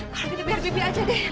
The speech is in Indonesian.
kalau gitu biar bibi aja deh